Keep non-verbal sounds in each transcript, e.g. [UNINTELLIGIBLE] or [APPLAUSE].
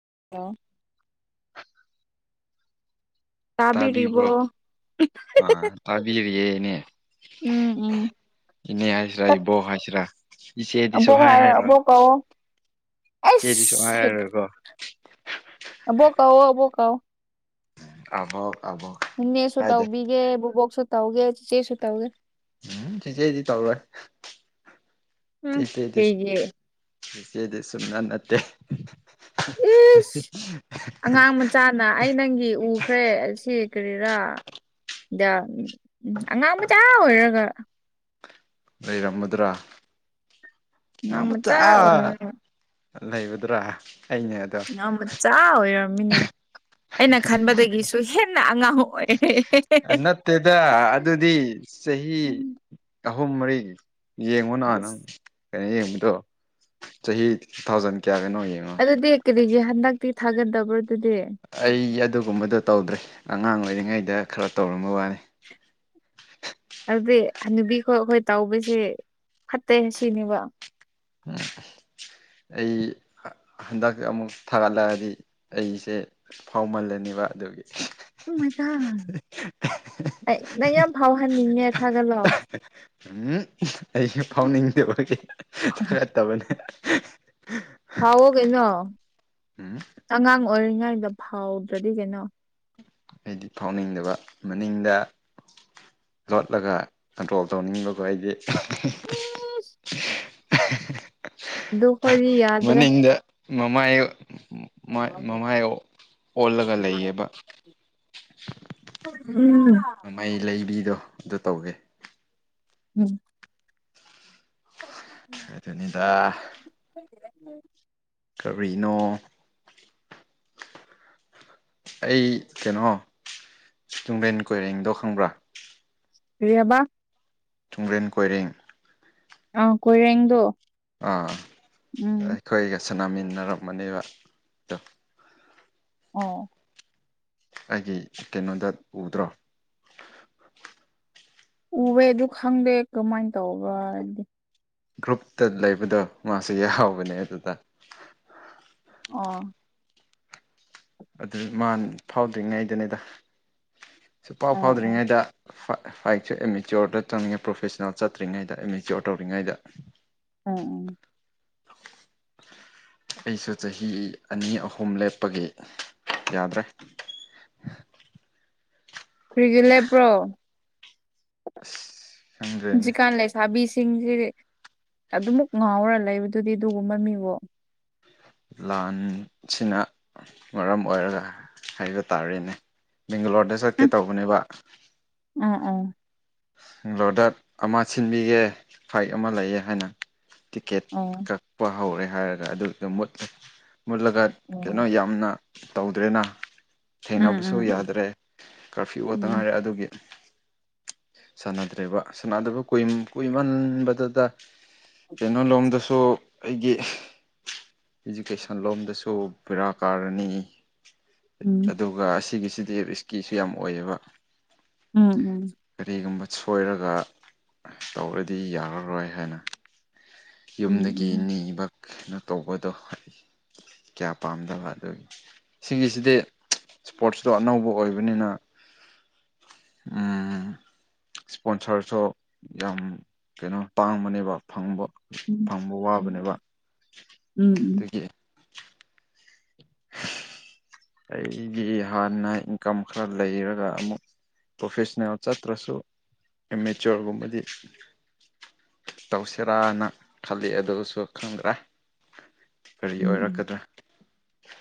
[UNINTELLIGIBLE] ꯇꯥꯕꯤꯕ꯭ꯔꯣ ꯇꯥꯕꯤꯔꯤꯕꯣ ꯑ ꯇꯥꯕꯤꯔꯤꯌꯦ ꯏꯅꯦ ꯎꯝ ꯎꯝ ꯏꯅꯦ ꯍꯥꯏꯁꯤꯔ ꯏꯕꯣꯛ ꯍꯥꯏꯁꯤꯔ ꯏꯆꯦꯗꯤ ꯑꯕꯣꯛ ꯁꯨꯛꯍꯥꯏ ꯍꯥꯏꯌꯣ ꯍꯥꯏꯔꯣꯏ ꯑꯕꯣꯛ ꯀꯧꯋꯣ ꯏꯆꯦꯗꯤ ꯁꯨꯛꯍꯥꯏ ꯑꯩꯁ ꯍꯥꯏꯔꯣꯏꯀꯣ ꯑꯕꯣꯛ ꯀꯧꯋꯣ ꯑꯕꯣꯛ ꯀꯧ ꯑꯕꯣꯛ ꯑꯕꯣꯛ ꯏꯟꯅꯦꯁꯨ ꯍꯥꯏꯗꯦ ꯇꯧꯕꯤꯒꯦ ꯕꯨꯕꯣꯛ ꯁꯨ ꯇꯪꯒꯦ ꯆꯤꯆꯦ ꯁꯨ ꯇꯧꯒꯦ [UNINTELLIGIBLE] ꯆꯤꯆꯦꯗꯤ ꯇꯧꯔꯣꯏ ꯎꯝ ꯆꯤꯆꯦꯗꯤ ꯀꯩꯒꯤ ꯆꯤꯆꯦꯗꯤ ꯁꯨꯡꯅꯠ ꯅꯠꯇꯦ ꯏꯁ ꯑꯉꯥꯡ ꯃꯆꯥꯅ ꯑꯩ ꯅꯪꯒꯤ ꯎ ꯈ꯭ꯔꯦ ꯑꯁꯤ ꯀꯔꯤꯔ ꯗ ꯑꯉꯥꯡ ꯃꯆꯥ ꯑꯣꯏꯔꯒ ꯂꯩꯔꯝꯃꯗ꯭ꯔ ꯑꯉꯥꯡ ꯃꯆꯥ ꯑꯣꯏ [UNINTELLIGIBLE] ꯂꯩꯕꯗꯨꯔꯥ ꯑꯩꯅꯦ ꯑꯗꯣ ꯑꯉꯥꯡ ꯃꯆꯥ ꯑꯣꯏꯔꯝꯃꯤꯅꯦ ꯑꯩꯅ ꯈꯟꯕꯗꯒꯤꯁꯨ ꯍꯦꯟꯅ ꯑꯉꯥꯡ ꯑꯣꯏ [UNINTELLIGIBLE] ꯅꯠꯇꯦꯗ ꯑꯗꯨꯗꯤ ꯆꯍꯤ ꯑꯍꯨꯝ ꯃꯔꯤ ꯌꯦꯡꯉꯣ ꯅꯍꯥꯟ ꯅꯪ ꯏꯁ ꯀꯩꯅꯣ ꯌꯦꯡꯕꯗꯣ ꯆꯍꯤ ꯇꯨꯊꯥꯎꯖꯟ ꯑꯗꯨꯗꯤ ꯀꯔꯤꯒꯤ ꯍꯟꯗꯛꯇꯤ ꯊꯥꯒꯟꯗꯕ꯭ꯔ ꯑꯗꯨꯗꯤ ꯑꯩ ꯑꯗꯨꯒꯨꯝꯕꯗꯣ ꯇꯧꯗ꯭ꯔꯦ ꯑꯉꯥꯡ ꯑꯣꯏꯔꯤꯉꯩꯗ ꯈꯔ ꯇꯧꯔꯝꯕ ꯋꯥꯅꯤ [INAUDIBLE] ꯑꯗꯨꯗꯤ ꯍꯟꯅꯨꯕꯤꯈꯣꯏ ꯑꯩꯈꯣꯏ ꯇꯧꯕꯁꯦ ꯐꯠꯇꯦ ꯁꯤꯅꯦꯕ [INAUDIBLE] ꯎꯝ ꯑꯩ ꯍꯟꯗꯛ ꯑꯃꯨꯛ ꯊꯥꯒꯠꯂꯛꯑꯗꯤ ꯑꯩꯁꯦ ꯐꯥꯎꯃꯜꯂꯅꯤꯕ ꯑꯗꯨꯒꯤ ꯎ ꯃ ꯊ ꯑꯩ ꯅꯪ ꯌꯥꯝ ꯐꯥꯎꯍꯟꯅꯤꯡꯉꯦ ꯊꯥꯒꯠꯂꯣ ꯎꯝ [UNINTELLIGIBLE] ꯍꯥꯎꯋꯣꯒꯩꯅꯣ ꯎꯝ ꯑꯉꯥꯡ ꯑꯣꯏꯔꯤꯉꯩꯗ ꯐꯥꯎꯗ꯭ꯔꯗꯤ ꯀꯩꯅꯣ ꯑꯩꯗꯤ ꯐꯥꯎꯅꯤꯡꯗꯕ ꯃꯅꯤꯡꯗ ꯂꯣꯠꯂꯒ ꯀꯟꯇ꯭ꯔꯣꯜ ꯇꯧꯅꯤꯡꯕꯀꯣ ꯑꯩꯗꯤ ꯎꯁ [UNINTELLIGIBLE] ꯗꯨꯈꯣꯏꯗꯤ ꯌꯥꯗ ꯔꯦ ꯃꯃꯥꯏꯌꯦ ꯃꯃꯥꯏꯌꯦ ꯑꯣꯜꯂꯒ ꯂꯩꯌꯦꯕ ꯎꯝ ꯃꯃꯩ ꯂꯩꯕꯤꯗꯣ ꯑꯗꯨ ꯇꯧꯒꯦ ꯎꯝ ꯑꯗꯨꯅꯤꯗ [UNINTELLIGIBLE] ꯀꯔꯤꯅꯣ ꯑꯩ ꯀꯩꯅꯣ ꯇꯨꯡꯕꯦꯟ ꯀꯣꯏꯔꯦꯡꯗꯣ ꯈꯪꯕ꯭ꯔꯥ ꯀꯔꯤ ꯍꯥꯏꯕ ꯇꯨꯡꯒ꯭ꯔꯦꯟ ꯀꯣꯏꯔꯦꯡ ꯑ ꯀꯣꯏꯔꯦꯗꯣ ꯑꯥ ꯑꯩꯈꯣꯏꯒ ꯁꯥꯟꯅꯃꯤꯟꯅꯔꯝꯃꯅꯦꯕ ꯇꯣ ꯑꯣ ꯑꯩꯒꯤ ꯀꯩꯅꯣꯗ ꯎꯗ꯭ꯔꯣ ꯎꯋꯦ ꯑꯗꯨ ꯈꯪꯗꯦ ꯀꯃꯥꯏ ꯇꯧꯕꯔ ꯗꯤ ꯒ꯭ꯔꯨꯞꯇ ꯂꯩꯕꯗꯣ ꯃꯥꯁꯨ ꯌꯥꯎꯕꯅꯦ ꯑꯗꯨꯗ ꯑꯥ ꯑꯗꯨ ꯃꯥꯥꯟ ꯐꯥꯎꯗ꯭ꯔꯤꯉꯩꯗꯅꯤꯗ ꯁꯨ ꯄꯥꯎ ꯑꯣ ꯑꯣ ꯐꯥꯎꯗ꯭ꯔꯤꯉꯩꯗ ꯐꯥꯏꯛꯁꯨ ꯑꯦꯝ ꯑꯦꯆꯤꯌꯣꯔꯗ ꯆꯪꯅꯤꯡꯉꯩ ꯄ꯭ꯔꯣꯐꯦꯁꯅꯦꯜ ꯆꯠꯇ꯭ꯔꯤꯉꯩꯗ ꯑꯦꯝ ꯑꯦꯆꯤꯌꯣꯔ ꯇꯧꯔꯤꯉꯩꯗ ꯎꯝ ꯎꯝ ꯑꯩꯁꯨ ꯆꯍꯤ ꯑꯅꯤ ꯑꯍꯨꯝ ꯂꯦꯞꯄꯒꯤ ꯌꯥꯗ꯭ꯔꯦ [INAUDIBLE] ꯀꯔꯤꯒꯤ ꯂꯦꯞ ꯄ꯭ꯔꯣ ꯑꯁ ꯈꯪꯗ꯭ꯔꯦꯅꯦ ꯍꯧꯖꯤꯀꯥꯥꯟ ꯂꯩꯁꯥꯕꯤꯁ ꯆꯤꯡꯁꯦ ꯑꯗꯨꯃ ꯉꯥꯎꯔ ꯂꯩꯕꯗꯨꯗꯤ ꯑꯗꯨꯒꯨꯝꯕ ꯃꯤꯕꯣ ꯂꯥꯟꯁꯤꯅ ꯃꯔꯝ ꯑꯣꯏꯔꯒ ꯍꯥꯏꯕ ꯇꯥꯔꯦꯅꯦ ꯕꯦꯡꯒꯂꯣꯔꯗ ꯆꯠꯀꯦ ꯇꯧꯕꯅꯦꯕ ꯎ ꯎꯝ ꯗꯣꯗꯠ ꯑꯃ ꯁꯤꯟꯕꯤꯒꯦ ꯐꯥꯏꯛ ꯑꯃ ꯂꯩꯑꯦ ꯍꯥꯏꯅ ꯇꯤꯀꯦꯠ ꯑꯣ ꯀꯛꯄ ꯍꯧꯔꯦ ꯍꯥꯏꯔꯒ ꯑꯗꯨ [UNINTELLIGIBLE] ꯃꯨꯠꯂꯒ ꯑꯣ ꯀꯩꯅꯣ ꯌꯥꯝꯅ ꯇꯧꯗ꯭ꯔꯦꯅ ꯎꯝ ꯎꯝ ꯎꯝ ꯎꯝ ꯎꯝ ꯎꯝ ꯊꯦꯡꯅꯕꯁꯨ ꯌꯥꯗ꯭ꯔꯦ ꯀꯥꯔꯐ꯭ꯌꯨ ꯉꯥꯛꯇ ꯉꯥꯏꯔꯦ ꯑꯗꯨꯒꯤ ꯁꯥꯟꯅꯗ꯭ꯔꯦꯕ ꯁꯥꯟꯅꯗꯕ ꯀꯨꯏ ꯀꯨꯏꯃꯟꯕꯗꯨꯗ ꯀꯩꯅꯣꯂꯣꯝꯗꯁꯨ ꯑꯩꯒꯤ [UNINTELLIGIBLE] ꯑꯦꯖꯨꯀꯦꯁꯟ ꯂꯣꯝꯗꯁꯨ ꯕꯦꯔꯥ ꯀꯥꯔꯅꯤ ꯑꯗꯨꯒ ꯑꯁꯤꯒꯤ ꯁꯤꯗꯤ ꯔꯤꯛꯁꯀꯤꯁꯨ ꯌꯥꯝ ꯑꯣꯏꯌꯦꯕ ꯎꯝ ꯎꯝ ꯀꯔꯤꯒꯨꯝꯕ ꯁꯣꯏꯔꯒ ꯇꯧꯔꯗꯤ ꯌꯥꯔꯔꯣꯏ ꯍꯥꯏꯅ ꯌꯨꯝꯗꯒꯤ ꯅꯤꯕ ꯀꯩꯅꯣ ꯇꯧꯕꯗꯣ ꯀꯌꯥ ꯄꯥꯝꯗꯕ ꯑꯗꯨꯒꯤ ꯁꯤꯒꯤꯁꯤꯗꯤ ꯏꯁꯄꯣꯔꯠꯁꯨ ꯑꯅꯧꯕ ꯑꯣꯏꯕꯅꯤꯅ ꯎꯝ ꯏꯁꯄꯣꯟꯁꯔꯁꯨ ꯌꯥꯝ ꯀꯩꯅꯣ ꯇꯥꯡꯕꯅꯦꯕ ꯐꯪꯕ ꯐꯪꯕ ꯎꯝ ꯎꯝ ꯋꯥꯕꯅꯦꯕ ꯎꯝ ꯑꯗꯒꯤ ꯑꯩꯒꯤ ꯍꯥꯟꯅ ꯏꯟꯀꯝ ꯈꯔ ꯂꯩꯔꯒ ꯑꯃꯨꯛ ꯄ꯭ꯔꯣꯐꯦꯁꯅꯦꯜ ꯆꯠꯇ꯭ꯔꯁꯨ ꯑꯦ ꯃꯦꯆꯣꯔꯒꯨꯝꯕꯗꯤ ꯇꯧꯁꯤꯔꯥꯅ ꯈꯜꯂꯤ ꯑꯗꯨꯁꯨ ꯈꯪꯗ꯭ꯔꯦ ꯎꯝ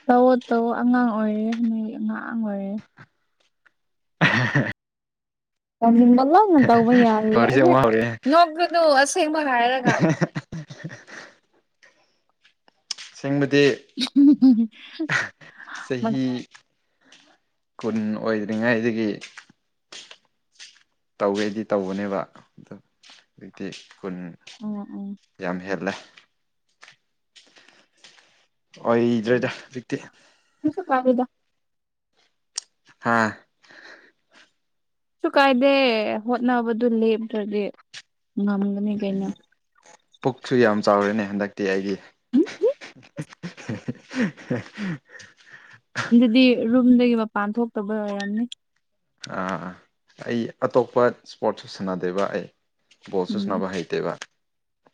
ꯇꯧꯋꯣ ꯇꯧꯋꫭ ꯑꯉꯥꯡ ꯑꯣꯏꯔꯦ ꯅꯣꯏ ꯑꯉꯥꯡ ꯑꯣꯏꯔꯦ [UNINTELLIGIBLE] ꯇꯧꯅꯤꯡꯕ ꯉꯥꯛꯅ ꯇꯧꯕ ꯌꯥꯔꯤꯌꯦ ꯋꯥꯔꯤꯁꯦ ꯍꯧꯖꯤꯛ ꯑꯃꯨꯛ ꯍꯧꯔꯛꯑꯦ ꯅꯣꯛꯒꯅꯨ ꯑꯁꯦꯡꯕ ꯍꯥꯏꯔꯒ [UNINTELLIGIBLE] ꯁꯦꯡꯕꯗꯤ [UNINTELLIGIBLE] ꯆꯍꯤ ꯀꯨꯟ ꯑꯣꯏꯗ꯭ꯔꯤꯉꯩꯗꯒꯤ ꯇꯧꯒꯦꯗꯤ ꯇꯧꯕꯅꯦꯕ [UNINTELLIGIBLE] ꯍꯧꯖꯤꯛꯇꯤ [UNINTELLIGIBLE] ꯌꯥꯝ ꯌꯦꯠꯂꯦ ꯑꯣꯏꯗ꯭ꯔꯦꯗ ꯍꯧꯖꯤꯛꯇꯤ ꯀꯩꯁꯨ ꯀꯥꯏꯗꯦꯗ ꯍꯥꯥ ꯀꯩꯁꯨ ꯀꯥꯏꯗꯦ ꯍꯣꯠꯅꯕꯗꯨ ꯂꯦꯞꯇ꯭ꯔꯗꯤ ꯉꯝꯒꯅꯤ ꯀꯩꯅꯣ [UNINTELLIGIBLE] ꯄꯨꯛꯁꯨ ꯌꯥꯝ ꯆꯥꯎꯔꯦꯅꯦ ꯍꯟꯗꯛꯇꯤ ꯑꯩꯒꯤ [UNINTELLIGIBLE] ꯑꯗꯨꯗꯤ ꯔꯨꯝꯗꯒꯤ ꯃꯄꯥꯟ ꯊꯣꯛꯇꯕꯩ ꯑꯣꯏꯔꯝꯅꯤ ꯑ ꯑꯩ ꯑꯇꯣꯞꯄ ꯏꯁꯄꯣꯔꯠꯁ ꯁꯥꯟꯅꯗꯦꯕ ꯑꯩ ꯕꯣꯜ ꯁꯨ ꯎꯝ ꯁꯥꯟꯅꯕ ꯍꯩꯇꯦꯕ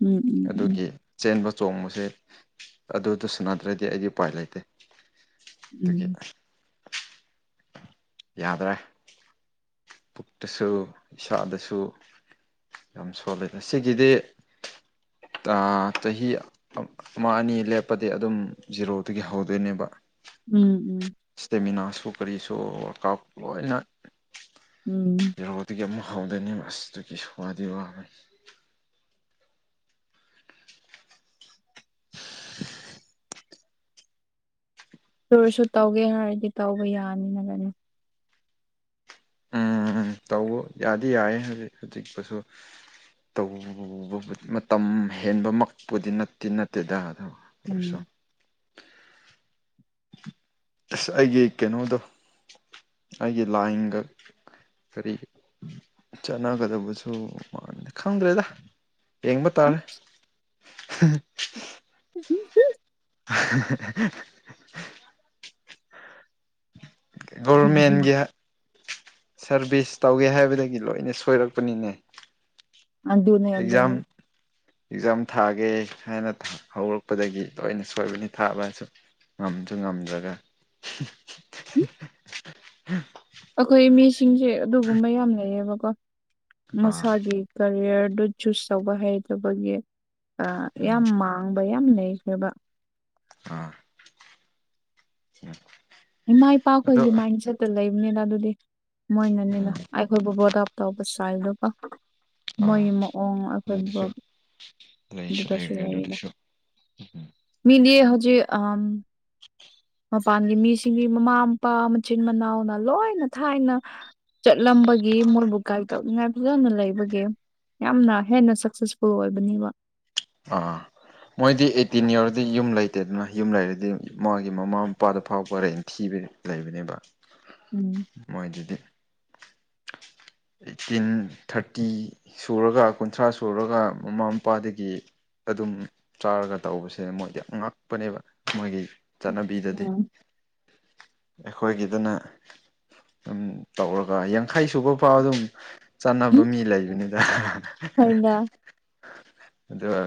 ꯎꯝ ꯎꯝ ꯑꯗꯨꯒꯤ ꯆꯦꯟꯕ ꯆꯣꯡꯕꯖꯦ ꯑꯗꯨꯗ ꯁꯥꯟꯅꯗ꯭ꯔꯗꯤ ꯑꯩꯗꯤ ꯎꯄꯥꯏ ꯂꯩꯇꯦ ꯑꯗꯨꯒꯤ ꯎꯝ ꯌꯥꯗ꯭ꯔꯦ ꯄꯨꯛꯇꯁꯨ ꯏꯁꯥꯗꯁꯨ ꯌꯥꯝ ꯁꯣꯜꯂꯦꯗ ꯁꯤꯒꯤꯗꯤ [UNINTELLIGIBLE] [UNINTELLIGIBLE] ꯆꯍꯤ ꯑꯃ ꯑꯅꯤ ꯂꯦꯞꯄꯗꯤ ꯑꯗꯨꯝ ꯖꯤꯔꯣꯗꯒꯤ ꯍꯧꯗꯣꯏꯅꯦꯕ ꯎꯝ ꯎꯝ [UNINTELLIGIBLE] ꯀꯔꯤꯁꯨ [UNINTELLIGIBLE] ꯂꯣꯏꯅ ꯎꯝ ꯀꯩꯅꫭꯗꯒꯤ ꯑꯃꯨꯛ ꯐꯧꯗꯩꯅꯦꯕ ꯑꯁ ꯑꯗꯨꯨꯒꯤ ꯁ꯭ꯋꯥꯗꯤ ꯋꯥꯕꯅꯤ [INAUDIBLE] ꯇꯧꯔꯁꯨ ꯇꯧꯒꯦ ꯍꯥꯏꯔꯗꯤ ꯇꯧꯕ ꯌꯥꯅꯤꯅ ꯀꯩꯅꫭ ꯎꯝ ꯎꯝ ꯇꯧꯕ ꯌꯥꯗꯤ ꯌꯥꯏ ꯍꯧꯖꯤꯛ ꯍꯧꯖꯤꯛꯄꯨꯁꯨ ꯇꯧꯕ ꯃꯇꯝ ꯍꯦꯟꯕꯃꯛꯄꯨꯗꯤ ꯅꯠꯇꯦ ꯅꯠꯇꯦꯗ ꯑꯗꯣ ꯑꯣꯏꯔꯁꯨ ꯃꯤ ꯑꯁ ꯑꯩꯒꯤ ꯀꯩꯅꯣꯗꯣ ꯑꯩꯒꯤ ꯂꯥꯏꯟꯒ ꯀꯔꯤ ꯆꯠꯅꯒꯗꯕꯁꯨ [UNINTELLIGIBLE] ꯈꯪꯗ꯭ꯔꯦꯗ ꯌꯦꯡꯕ ꯇꯥꯔꯦ [UNINTELLIGIBLE] [UNINTELLIGIBLE] [UNINTELLIGIBLE] ꯒꯣꯔꯃꯦꯟꯒꯤ ꯁꯥꯔꯚꯤꯁ ꯇꯧꯒꯦ ꯍꯥꯏꯕꯗꯒꯤ ꯂꯣꯏꯅ ꯁꯣꯏꯔꯛꯄꯅꯤꯅꯦ ꯑꯗꯨꯅꯦ ꯑꯦꯛꯖꯥꯝ ꯑꯗꯅꯦ ꯑꯦꯛꯖꯥꯝ ꯊꯥꯒꯦ ꯍꯥꯏꯅ ꯍꯧꯔꯛꯄꯗꯒꯤ ꯂꯣꯏꯅ ꯁꯣꯏꯕꯅꯤ ꯊꯥꯕ ꯍꯥꯏꯁꯨ ꯉꯝꯁꯨ ꯉꯝꯗ꯭ꯔꯒ [UNINTELLIGIBLE] ꯑꯈꯣꯏ ꯃꯤꯁꯤꯡꯁꯦ ꯑꯗꯨꯒꯨꯝꯕ ꯌꯥꯝ ꯂꯩꯌꯦꯕꯀꯣ ꯑꯥ ꯃꯁꯥꯒꯤ ꯀꯔꯤꯌꯔ ꯑꯗꯨ ꯆꯨꯁ ꯇꯧꯕ ꯍꯩꯇꯕꯒꯤ ꯑ ꯌꯥꯝ ꯎꯝ ꯃꯥꯡꯕ ꯌꯥꯝ ꯂꯩꯈ꯭ꯔꯦꯕ ꯑꯥ ꯏꯃꯥ ꯑꯗꯣ ꯏꯄꯥꯈꯣꯏꯒꯤ ꯃꯥꯏꯟ ꯁꯦꯠꯇ ꯂꯩꯕꯅꯤꯅ ꯑꯗꯨꯗꯤ ꯃꯣꯏꯅꯅꯤꯅ ꯎꯝ ꯑꯩꯈꯣꯏꯕꯨ ꯕ꯭ꯔꯣꯠ ꯑꯞ ꯇꯧ ꯁꯥꯏꯜꯗꯨꯀꫭ ꯑꯥ ꯃꯣꯏꯒꯤ ꯃꯑꯣꯡ ꯑꯩꯈꯣꯏꯕꯨ ꯑꯗꯨꯗꯁꯨ ꯂꯩꯁꯨ ꯑꯗꯨꯗꯁꯨ ꯂꯩꯔꯦ ꯂꯩꯔꯤꯅ ꯑꯗꯨꯗꯁꯨ ꯎꯝ ꯃꯤꯗꯤ ꯍꯧꯖꯤꯛ ꯑꯝ ꯃꯄꯥꯟꯒꯤ ꯃꯤꯁꯤꯡꯒꯤ ꯃꯃꯥ ꯃꯄꯥ ꯃꯆꯤꯟ ꯃꯅꯥꯎꯅ ꯂꯣꯏꯅ ꯊꯥꯏꯅ ꯆꯠꯂꯝꯕꯒꯤ ꯃꯣꯏꯕꯨ ꯒꯥꯏꯠ ꯇꯧꯅꯤꯡꯉꯥꯏ ꯐꯖꯅ ꯂꯩꯕꯒꯤ ꯌꯥꯝꯅ ꯍꯦꯟꯅ ꯁꯛꯁꯦꯁꯐꯨꯜ ꯑꯣꯏꯕꯅꯦꯕ ꯑ ꯃꯣꯏꯗꯤ ꯑꯩꯠꯇꯤꯟ ꯌꯧꯔꯗꯤ ꯌꯨꯝ ꯂꯩꯇꯦꯗꯅ ꯌꯨꯝ ꯂꯩꯔꯗꯤ ꯃꫭꯏꯒꯤ ꯃꯃꯥ ꯃꯄꯥꯗꯨ ꯐꯥꯎꯕ ꯔꯦꯟ ꯊꯤꯕ [UNINTELLIGIBLE] ꯂꯩꯕꯅꯦꯕ ꯎꯝ ꯃꯣꯏꯗꯨꯗꯤ ꯑꯩꯠꯇꯤꯟ ꯊꯥꯔꯇꯤ ꯁꯨꯔꯒ ꯀꯨꯟꯊ꯭ꯔꯥ ꯁꯨꯔꯒ ꯃꯃꯥ ꯃꯄꯥꯗꯒꯤ ꯑꯗꯨꯝ ꯆꯥꯔꯒ ꯇꯧꯕꯁꯦ ꯃꯣꯏꯗꯤ ꯑꯉꯛꯄꯅꯦꯕ ꯃꯣꯏꯒꯤ ꯆꯠꯅꯕꯤꯗꯗꯤ ꯎꯝ ꯑꯩꯈꯣꯏꯒꯤꯗꯅ ꯑꯗꯨꯝ ꯇꯧꯔꯒ ꯌꯥꯡꯈꯩ ꯁꯨꯕ ꯐꯥꯎ ꯑꯗꯨꯝ ꯆꯥꯟꯅꯕ ꯃꯤ ꯂꯩꯕꯅꯤꯗ [UNINTELLIGIBLE] ꯍꯣꯏꯗ ꯑꯗꯨꯒ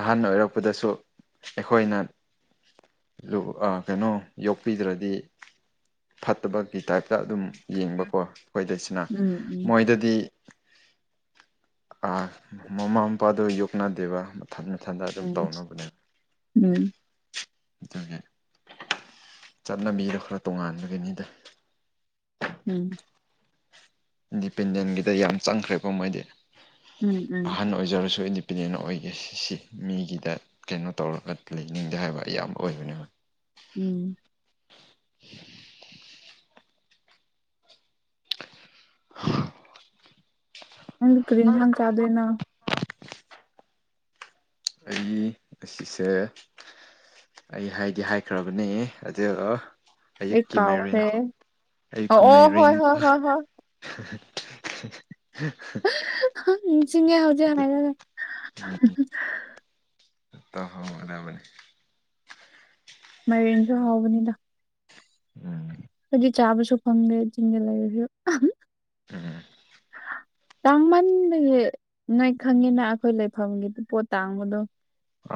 ꯑꯍꯟ ꯑꯣꯏꯔꯛꯄꯗꯁꯨ ꯑꯩꯈꯣꯏꯅ [UNINTELLIGIBLE] ꯑ‌ ꯀꯩꯅꯣ ꯌꯣꯛꯄꯤꯗ꯭ꯔꯗꯤ ꯐꯠꯇꯕꯒꯤ ꯇꯥꯏꯞꯇ ꯑꯗꯨꯝ ꯌꯦꯡꯕꯀꯣ ꯎꯝ [UNINTELLIGIBLE] ꯃꯣꯏꯗꯗꯤ ꯑꯥ ꯃꯃꯥ ꯃꯄꯥꯥꯗꫭ ꯌꯣꯛꯅꯗꯦꯕ ꯃꯊꯟ‌ ꯃꯊꯟꯗ ꯑꯗꯨꯝ ꯎꯝ ꯇꯧꯅꯕꯅꯦ ꯎꯝ ꯑꯗꯨꯒꯤ ꯆꯠꯅꯕꯤꯗꯣ ꯈꯔ ꯇꯣꯉꯥꯟꯕꯒꯤꯅꯤꯗ ꯎꯝ ꯏꯟꯗꯤꯄꯦꯟꯗꯦꯟꯒꯤꯗ ꯌꯥꯝ ꯆꯪꯈ꯭ꯔꯦꯀꯣ ꯃꯣꯏꯗꯤ ꯎꯝ ꯎꯝ ꯎꯝ ꯑꯍꯟ ꯑꯣꯏꯖꯔꯁꯨ ꯏꯟ ꯗꯤꯄꯦꯟꯗꯦꯟ ꯑꯣꯏꯒꯦ ꯁꯤ ꯁꯤ ꯃꯤꯒꯤꯗ ꯀꯩꯅꯣ ꯇꯧꯔꯒ ꯂꯩꯅꯤꯡꯗꯦ ꯍꯥꯏꯕ ꯑꯌꯥꯝꯕ ꯑꯣꯏꯕꯅꯦꯕ ꯎꯝ [INAUDIBLE] ꯅꯪꯗꯤ ꯀꯔꯤ ꯏꯟꯁꯥꯡ ꯆꯥꯗꫭꯏꯅꫭ ꯑꯩ ꯉꯁꯤꯁꯦ ꯑꯩ ꯍꯥꯏꯗꯤ ꯍꯥꯏꯈ꯭ꯔꯕꯅꯦ ꯑꯗꫭ ꯑꯩ ꯑꯌꯨꯛꯀꯤ ꯃꯥꯏꯔꯦꯟ ꯀꯥꯎꯈ꯭ꯔꯦ ꯑꯣ ꯑꯌꯨꯛꯀ ꯑꯣ ꯃꯥꯏꯔꯦꯟ ꯍꯣꯏ ꯍꯣꯏ ꯍꯣꯏ ꯍꯣꯏ [UNINTELLIGIBLE] [UNINTELLIGIBLE] [UNINTELLIGIBLE] ꯅꯤꯡꯁꯤꯡꯉꯦ ꯍꯧꯖꯤꯛ ꯍꯥꯏꯔꯒ [UNINTELLIGIBLE] ꯇꯍꯧꯒꯗꯕꯅꯦ ꯃꯥꯏꯔꯦꯟꯁꯨ ꯍꯥꯎꯕꯅꯤꯗ ꯎꯝ [UNINTELLIGIBLE] ꯆꯥꯕꯁꯨ ꯐꯪꯗꯦ ꯆꯤꯡꯗ ꯂꯩꯔꯁꯨ [UNINTELLIGIBLE] ꯎꯝ ꯇꯥꯡꯃꯟꯕꯒꯤ ꯅꯣꯏ ꯈꯪꯉꯤꯅ ꯑꯈꯣꯏ ꯂꯩꯐꯝꯒꯤ ꯄꯣꯠ ꯇꯥꯡꯕꯗꯣ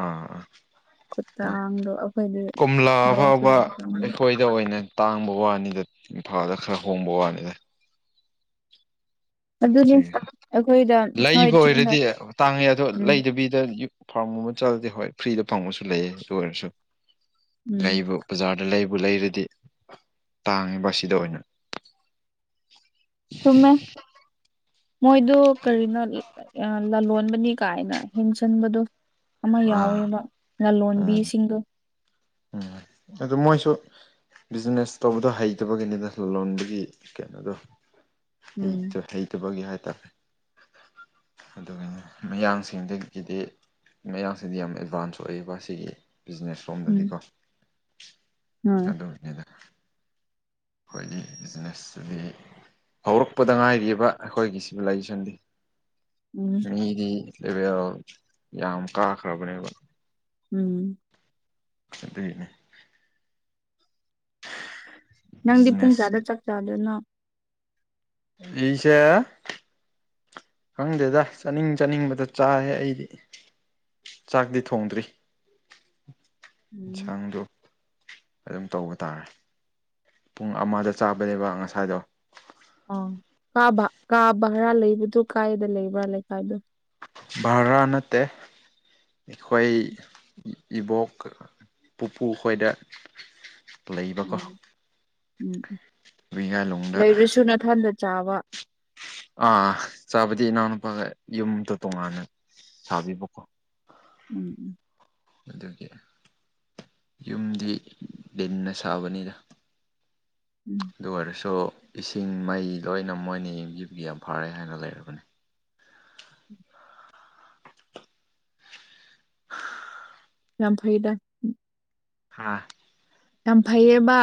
ꯑ ꯑ ꯈꯨꯠꯇꯥꯡꯗꯣ ꯑꯩꯈꯣꯏꯗꯤ ꯀꯣꯝꯂꯥ ꯂꯧꯁꯨ ꯐꯥꯎꯕ ꯌꯥꯝ ꯇꯥꯡꯉꯦ ꯑꯩꯈꯣꯏꯗ ꯑꯣꯏꯅ ꯇꯥꯡꯕ ꯋꯥꯅꯤꯗ ꯏꯝꯐꯥꯜꯗ ꯈꯔ ꯍꯣꯡꯕ ꯋꯥꯅꯤꯗ ꯑꯗꯨꯅꯤ ꯑꯩꯈꯣꯏꯗ ꯍꯣꯏ ꯂꯩꯕ ꯆꯤꯡꯗ ꯑꯣꯏꯔꯗꯤ ꯇꯥꯡꯉꯦ ꯑꯗꯣ ꯎꯝ ꯂꯩꯗꯕꯤꯗ [UNINTELLIGIBLE] ꯍꯣꯏ ꯐ꯭ꯔꯤꯗ ꯐꯪꯕꯁꯨ ꯂꯩꯌꯦ ꯑꯗꯨ ꯑꯣꯏꯔꯁꯨ ꯎꯝ ꯂꯩꯕ ꯕꯖꯥꯔ ꯗ ꯂꯩꯕꯨ ꯂꯩꯔꯗꯤ ꯇꯥꯡꯉꯦꯕ ꯁꯤꯗ ꯑꯣꯏꯅ ꯆꯨꯝꯃꯦ ꯃꯣꯏꯗꫭ ꯀꯔꯤꯅꯣ ꯑ ꯂꯂꯣꯟꯕꯅꯦ ꯀꯥꯏꯅ ꯍꯦꯟꯆꯟꯕꯗꯣ ꯑꯃ ꯑꯥ ꯌꯥꯎꯋꯦꯕ ꯎꯝ ꯂꯂꯣꯟꯕꯤꯁꯤꯡꯗꫭ ꯎꯝ [INAUDIBLE] ꯑꯗꯨ ꯃꯣꯏꯁꯨ ꯕꯤꯖꯤꯅꯦꯁ ꯇꯧꯕꯗꯣ ꯍꯩꯇꯕꯒꯤꯅꯤꯗ ꯂꯂꯣꯟꯕꯒꯤ ꯀꯩꯅꯣꯗꯣ ꯎꯝ ꯍꯩꯇꯦ ꯍꯩꯇꯕꯒꯤ ꯍꯥꯏꯇꯔꯦ ꯑꯗꯨꯒꯤꯅꯤ ꯃꯌꯥꯡꯁꯤꯡꯗꯒꯤꯗꯤ ꯃꯌꯥꯡꯁꯤꯗꯤ ꯌꯥꯝ ꯑꯦꯗꯚꯥꯟꯁ ꯑꯣꯏꯌꯦꯕ ꯁꯤꯒꯤ ꯕꯤꯖꯤꯅꯦꯁꯔꯣꯝꯗꯗꯤ ꯎꯝ ꯎꯝ ꯑꯗꯨꯒꯤꯅꯤꯗ ꯈꯣꯏꯗꯤ ꯕꯤꯖꯤꯅꯦꯁ ꯁꯤꯗꯤ ꯍꯧꯔꯛꯄꯗ ꯉꯥꯏꯔꯤꯕ ꯑꯩꯈꯣꯏꯒꯤ ꯁꯤꯚꯤꯂꯥꯏꯖꯦꯁꯟꯗꯤ ꯎꯝ ꯃꯤꯗꯤ ꯂꯦꯕꯦꯜ ꯌꯥꯝ ꯀꯥꯈ꯭ꯔꯕꯅꯦꯕ ꯎꯝ ꯑꯗꯨꯏꯅꯤ ꯅꯪꯗꯤ ꯄꯨꯡ ꯕꯤꯖꯤꯅꯦꯁ ꯀꯌꯥꯗ ꯆꯥꯛ ꯆꯥꯗꯣꯏꯅꯣ ꯑꯩꯁꯦ ꯈꯪꯗꯦꯗ ꯆꯥꯅꯤꯡ ꯆꯥꯅꯤꯡꯕꯗ ꯆꯥꯏꯌꯦ ꯑꯩꯗꯤ ꯆꯥꯛꯇꯤ ꯊꯣꯡꯗ꯭ꯔꯤ ꯎꯝ ꯏꯟꯁꯥꯡꯗꯣ ꯑꯗꯨꯝ ꯇꯧꯕ ꯇꯥꯔꯦ ꯄꯨꯡ ꯑꯃꯗ ꯆꯥꯕꯅꯦꯕ ꯉꯁꯥꯏꯗꯣ ꯑꯣ ꯀꯥꯕ ꯀꯥ ꯕꯔꯥ ꯂꯩꯕꯗꯨ ꯀꯥꯏꯗ ꯂꯩꯕ꯭ꯔ ꯂꯩꯀꯥꯏꯗꯨ ꯕꯔꯥ ꯅꯠꯇꯦ ꯑꯩꯈꯣꯏ ꯏꯕꯣꯛ ꯄꯨꯄꯨ ꯈꯣꯏꯗ ꯂꯩꯕꯀꯣ ꯎꯝ ꯎꯝ ꯎꯝ ꯋꯤꯌꯥꯂꯣꯡꯗ ꯂꯩꯕꯁꯨ ꯅꯊꯟꯗ ꯆꯥꯕ ꯑꯥ ꯆꯥꯕꯗꯤ ꯏꯅꯥꯎꯅꯨꯄꯥꯒ ꯌꯨꯝꯗꯣ ꯇꯣꯉꯥꯟꯅ ꯁꯥꯕꯤꯕꯀꯣ ꯎꯝ ꯎꯝ ꯑꯗꯨꯒꯤ ꯌꯨꯝꯗꯤ ꯗꯤꯟꯅ ꯁꯥꯕꯅꯤꯗ ꯎꯝ ꯑꯗꯨ ꯑꯣꯏꯔꯁꯨ ꯏꯁꯤꯡ ꯃꯩ ꯂꯣꯏꯅ ꯃꯣꯏꯅ ꯌꯦꯡꯕꯤꯕꯒꯤ ꯌꯥꯝ ꯐꯔꯦ ꯍꯥꯏꯅ ꯂꯩꯔꯕꯅꯤ INAUDIBLE ꯌꯥꯝꯐꯩꯗ ꯍꯥꯥꯑꯥ ꯌꯥꯝ ꯐꯩꯌꯦꯕ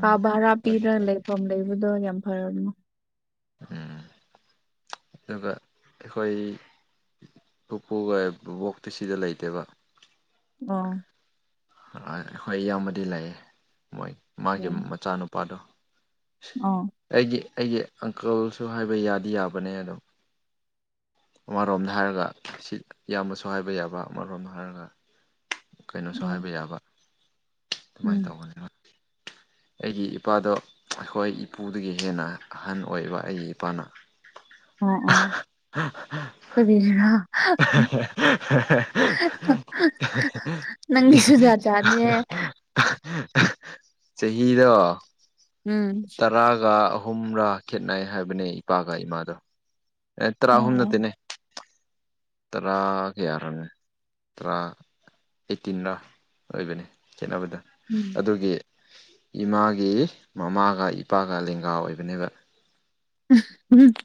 ꯀꯥ ꯚꯔꯥ ꯐꯗꯤ ꯄꯤꯔ ꯐꯩ ꯂꯩꯐꯝ ꯂꯩꯕꯗꯣ ꯌꯥꯝ ꯐꯔꯕꯅꯤ ꯎꯝ INAUDIBLE ꯑꯗꯨꯒ ꯑꯩꯈꯣꯌꯏ ꯄꯨꯄꯨꯒ-ꯕꯨꯕꯣꯛꯇꯤ ꯁꯤꯗ ꯂꯩꯇꯦꯕ ꯑꯣ ꯑꯥ ꯑꯩꯈꯣꯏ ꯏꯌꯥꯝꯕꯗꯤ ꯂꯩꯌꯦ ꯃꯣꯏ ꯃꯥꯒꯤ ꯎꯝ ꯃꯆꯥꯅꯨꯄꯥꯗꯣ ꯑꯣ ꯑꯩꯒꯤ ꯑꯩꯒꯤ ꯑꯪꯀꯜꯁꯨ ꯍꯥꯏꯕ ꯌꯥꯗꯤ- ꯌꯥꯕꯅꯦ ꯑꯗꯣ ꯑꯃꯔꯣꯝꯗ ꯍꯥꯏꯔꯒ ꯁꯤ ꯢꯌꯥꯝꯕꯁꯨ ꯍꯥꯏꯕ ꯌꯥꯕ ꯑꯃꯔꯣꯝꯗ ꯍꯥꯏꯔꯒ ꯀꯩꯅꯣꯁꯨ ꯎꯝ ꯍꯥꯏꯕ ꯌꯥꯕ ꯑꯗꯨꯃꯥꯏꯅ ꯎꯝ ꯇꯧꯕꯅꯦꯕꯥ ꯑꯩꯒꯤꯏꯄꯥꯗꯣ ꯑꯩꯈꯣꯏ ꯏꯄꯨꯗꯒꯤ ꯍꯦꯟꯅꯑꯍꯟ ꯑꯣꯏꯕ ꯑꯩꯒꯤꯏꯄꯥꯅ UNINTELLIGIBLE ꯅꯪꯒꯤꯁꯨ ꯖꯥꯠ-ꯖꯥꯠꯅꯤꯍꯦ INAUDIBLE ꯆꯍꯤꯔꯣ ꯎꯝ ꯇꯔꯥꯒ ꯑꯍꯨꯝ ꯍꯨꯝꯔꯥ ꯈꯦꯠꯅꯩ ꯍꯥꯏꯕꯅꯦ ꯏꯄꯥꯒ ꯏꯃꯥꯗꯣ ꯑꯦ ꯇꯔꯥꯍꯨꯝ ꯎꯝ ꯅꯠꯇꯦꯅꯦ ꯇꯔꯥꯒ ꯀꯌꯥꯅꯣꯅꯦ ꯇꯔꯥ ꯑꯩꯠꯇꯤꯟꯔ ꯑꯣꯏꯕꯅꯦ ꯈꯦꯠꯅꯕꯗꯣ ꯎꯝ ꯑꯗꯨꯒꯤ ꯏꯃꯥꯒꯤ ꯃꯃꯥꯒ- ꯏꯄꯥꯒ ꯂꯦꯡꯒꯥ ꯑꯣꯏꯕꯅꯦꯕ INAUDIBLE